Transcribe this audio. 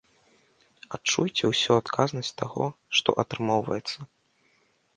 Адчуйце ўсё адказнасць таго, што атрымоўваецца!